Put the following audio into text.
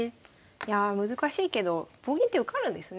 いやあ難しいけど棒銀って受かるんですね